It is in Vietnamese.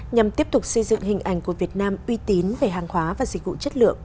nhằm tiếp tục xây dựng hình ảnh của việt nam uy tín về hàng hóa và dịch vụ chất lượng